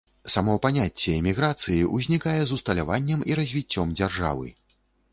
Само паняцце эміграцыі ўзнікае з усталяваннем і развіццём дзяржавы.